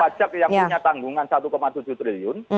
pajak yang punya tanggungan satu tujuh triliun